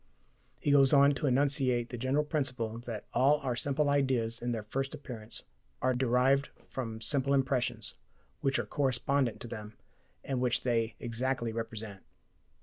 He goes on to enunciate the general principle "that all our simple ideas in their first appearance are derived from simple impressions, which are correspondent to them, and which they exactly represent" ("Treatise of Human Nature," Part I, Section I).